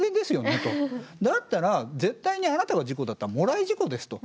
だったら絶対にあなたが事故だったらもらい事故ですと。